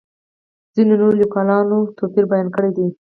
ځینو نورو لیکوالو توپیر بیان کړی دی.